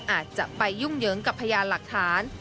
อาจจะไปยุ่งเหยิงกับพยานหลักฐาน